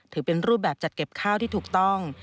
ถือเป็นรูปแบบจัดเก็บข้าวที่ถูกต้อง